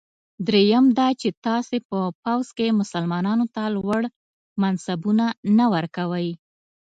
دریم دا چې تاسي په پوځ کې مسلمانانو ته لوړ منصبونه نه ورکوی.